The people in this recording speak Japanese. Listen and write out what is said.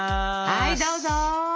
はいどうぞ。